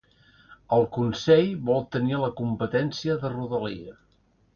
El Consell vol tenir la competència de Rodalia